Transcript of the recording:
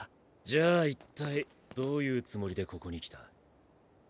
じゃあ一体どういうつもりでここに来た？